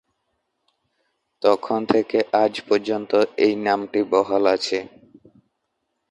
তখন থেকে আজ পর্যন্ত এই নামটি বহাল আছে।